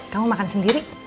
kamu makan sendiri